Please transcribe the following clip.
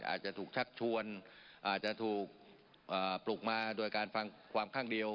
อาจจะถูกชักชวนอาจจะถูกปลุกมาโดยการฟังความข้างเดียว